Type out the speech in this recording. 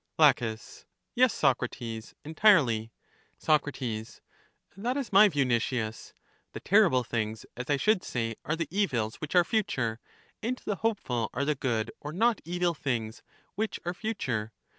La, Yes, Socrates, entirely. Soc. That is my view, Nicias; the terrible things, as I should say, are the evils which are future; and the hopeful are the good or not evil things which are future.